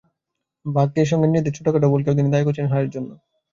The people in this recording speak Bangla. ভাগ্যের সঙ্গে নিজেদের ছোটখাটো কিছু ভুলকেও তিনি দায়ী করেছেন হারের জন্য।